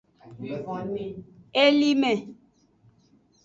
Elime.